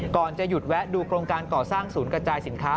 ก่อนจะหยุดแวะดูโครงการก่อสร้างศูนย์กระจายสินค้า